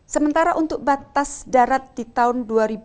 sementara untuk batas darat di tahun dua ribu dua puluh